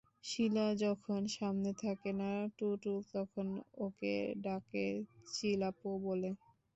শিলা যখন সামনে থাকে না, টুটুল তখন ওকে ডাকে চিলাপু বলে।